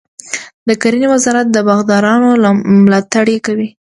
د کرنې وزارت د باغدارانو ملاتړ کوي.